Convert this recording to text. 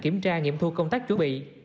kiểm tra nghiệm thu công tác chuẩn bị